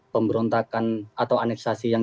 pemberontakan atau aneksasi yang